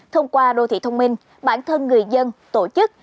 thông qua đô thị thông minh bản thân người dân tổ chức